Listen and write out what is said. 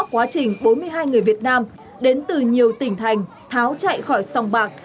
quá trình bốn mươi hai người việt nam đến từ nhiều tỉnh thành tháo chạy khỏi sòng bạc